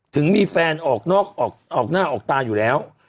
ถึงมีแฟนออกหน้าออกตาอยู่แล้ว